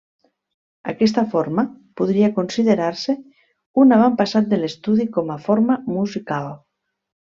Aquesta forma podria considerar-se un avantpassat de l'estudi com a forma musical.